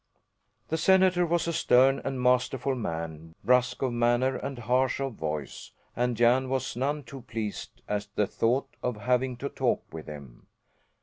The senator was a stern and masterful man, brusque of manner and harsh of voice, and Jan was none too pleased at the thought of having to talk with him.